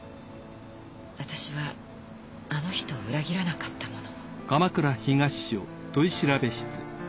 私はあの人を裏切らなかったもの。